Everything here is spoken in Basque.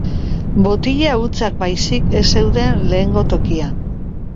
Botila hutsak baizik ez zeuden lehengo tokian.